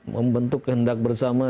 membentuk kehendak bersama